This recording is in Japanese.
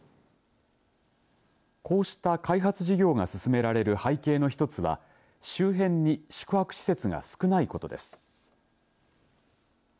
こうした開発事業が進められる背景の１つは周辺に宿泊施設が少ないことです。